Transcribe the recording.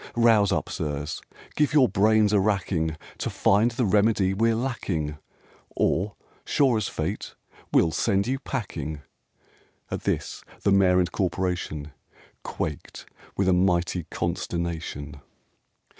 Rouse up, sirs! Give your brains a racking, To find the remedy we're lacking, Or, sure as fate, we'll send you packing!" At this the Mayor and Corporation Quaked with a mighty consternation.